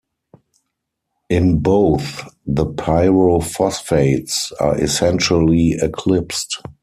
In both the pyrophosphates are essentially eclipsed.